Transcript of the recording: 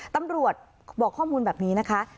ตำรวจบอกข้อมูลแบบนี้นะคะ